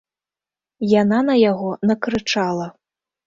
Яна на яго накрычала.